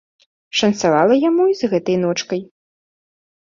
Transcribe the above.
Шанцавала яму і з гэтай ночкай.